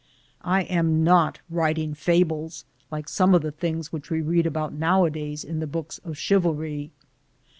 I am not writing fables, like some of the things which we read about nowadays in the books of chivalry.